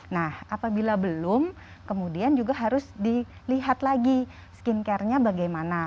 nah apabila belum kemudian juga harus dilihat lagi skincare nya bagaimana